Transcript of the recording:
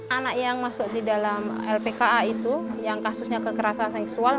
anak yang masuk di dalam lpka itu yang kasusnya kekerasan seksual